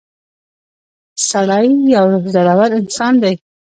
• سړی یو زړور انسان دی.